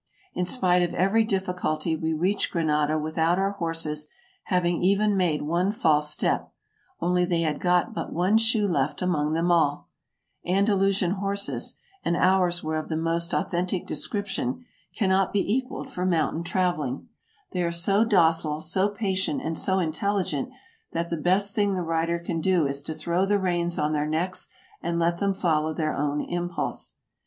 In spite of every difficulty we reached Granada without our horses having even made one false step, only they had got but one shoe left among them all. Andalusian horses — and ours were of the most authentic description — cannot EUROPE 195 be equaled for mountain traveling. They are so docile, so patient, and so intelligent that the best thing the rider can do is to throw the reins on their necks and let them follow their own impulse.